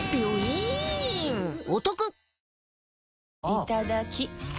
いただきっ！